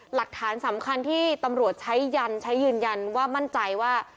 หลักฐานสำคัญที่ตำรวจใช้ยันใช้ยืนยันว่ามั่นใจว่า